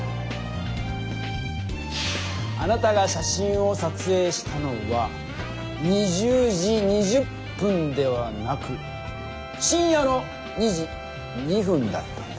あなたが写真をさつえいしたのは２０時２０分ではなく深夜の２時２分だったんです。